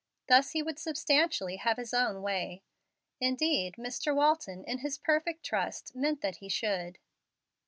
Thus he would substantially have his own way. Indeed, Mr. Walton, in his perfect trust, meant that he should.